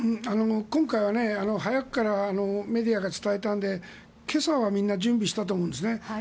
今回は早くからメディアが伝えたので今朝はみんな準備したと思うんですね。